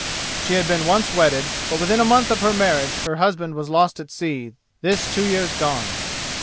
She had been once wedded, but within a month of her marriage her husband was lost at sea, this two years gone.